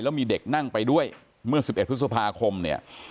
แล้วมีเด็กนั่งไปด้วยเมื่อ๑๑พฤษภาคมเนี่ย